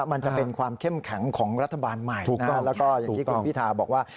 มันจะเป็นความเข้มแข็งของรัฐบาลใหม่ถูกต้องแล้วก็อย่างที่คุณพิธาบอกว่า